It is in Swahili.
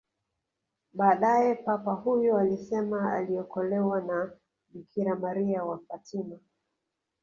Baadae Papa huyo alisema aliokolewa na Bikira Maria wa Fatima